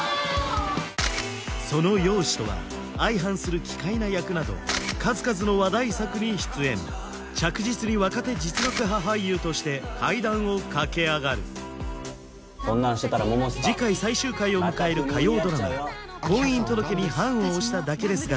その容姿とは相反する奇怪な役など数々の話題作に出演着実に若手実力派俳優として階段を駆け上がる次回最終回を迎える火曜ドラマ「婚姻届に判を捺しただけですが」